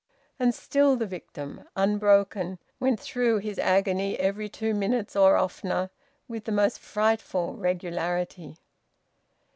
And still the victim, unbroken, went through his agony every two minutes or oftener, with the most frightful regularity.